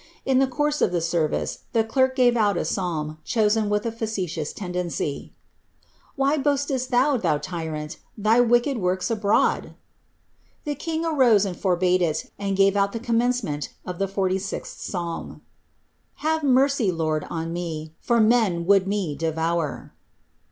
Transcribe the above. In the course of the service, the clerk gave out a psalm, chosen with a factious tendency :Why boastpst ihou, ihou tymnt. Thy wicked wurks abn.>ail ?*' The king arose and forbade it, and gave out the commencement of the 46ih psalm : "Have merry. Lord, on me, FiiF men would m© devour.'